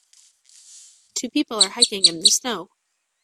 Two people are hiking in the snow.